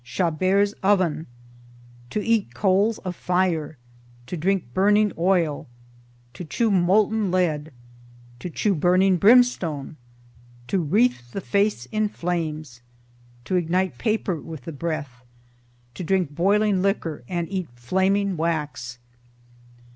CHABERT'S OVEN. TO EAT COALS OF FIRE. TO DRINK BURNING OIL. TO CHEW MOLTEN LEAD. TO CHEW BURNING BRIMSTONE. TO WREATHE THE FACE IN FLAMES. TO IGNITE PAPER WITH THE BREATH. TO DRINK BOILING LIQUOR AND EAT FLAMING WAX.